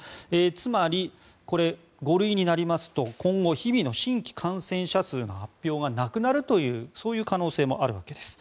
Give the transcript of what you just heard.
つまり５類になりますと、今後日々の新規感染者数の発表がなくなるというそういう可能性もあるわけです。